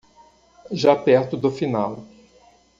Já perto do final